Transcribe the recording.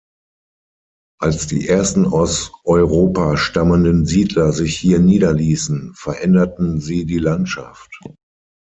Als die ersten aus Europa stammenden Siedler sich hier niederließen, veränderten sie die Landschaft.